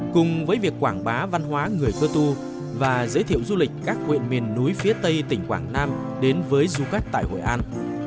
cùng với việc quảng bá văn hóa người cơ tu và giới thiệu du lịch các huyện miền núi phía tây tỉnh quảng nam đến với du khách tại hội an